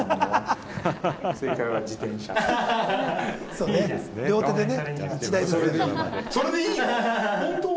そうね、両手でね。